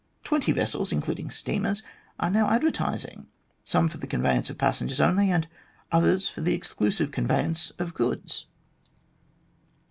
Twenty vessels, including steamers, are now advertising some for the conveyance of passengers only, and others for the exclusive conveyance of goods."